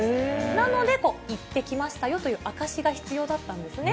なので、行ってきましたよという証しが必要だったんですね。